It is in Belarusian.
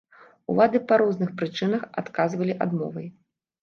Улады па розных прычынах адказвалі адмовай.